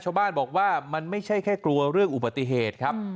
ชาวบ้านบอกว่ามันไม่ใช่แค่กลัวเรื่องอุบัติเหตุครับ